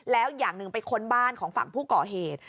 แล้วอย่างหนึ่งไปค้นบ้านของฝั่งผู้ก่อเหตุ